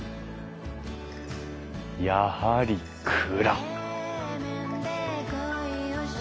やはり蔵！